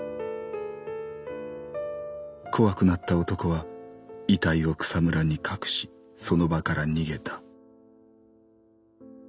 怖くなった男は遺体を草むらに隠しその場から逃げた」。